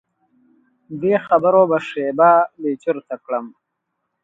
دې خبرو به شیبه بې چرته کړم.